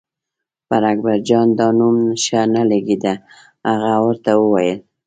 پر اکبرجان دا نوم ښه نه لګېده، هغه ورته وویل.